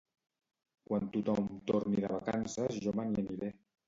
Quan tothom torni de vacances jo me n'hi aniré